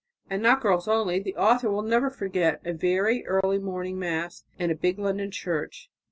And not girls only. The author will never forget a very early morning Mass in a big London church.